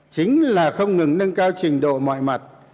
chính là không ngừng nâng cao trình độ mọi mặt